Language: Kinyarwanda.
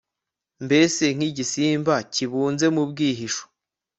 mbese nk'igisimba kibunze mu bwihisho